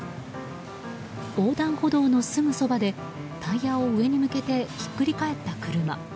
横断歩道のすぐそばでタイヤを上に向けてひっくり返った車。